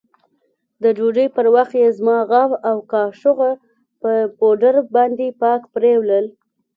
د ډوډۍ پر وخت يې زما غاب او کاشوغه په پوډرو باندې پاک پرېولل.